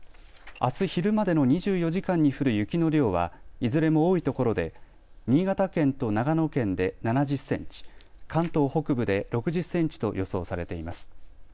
あす昼までの２４時間に降る雪の量は、いずれも多いところで新潟県と長野県で７０センチ関東北部で６０センチと予想されています。